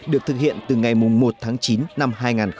được thực hiện từ ngày một tháng chín năm hai nghìn một mươi chín